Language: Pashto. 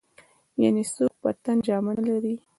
يعنې څوک په تن جامه نه لري.